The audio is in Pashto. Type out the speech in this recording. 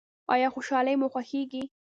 ایا خوشحالي مو خوښیږي؟